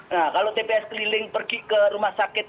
nah kalau tps keliling pergi ke rumah sakit